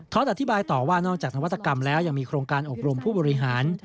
อธิบายต่อว่านอกจากนวัตกรรมแล้วยังมีโครงการอบรมผู้บริหาร